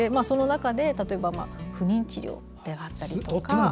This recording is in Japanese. その中で例えば不妊治療であったりとか。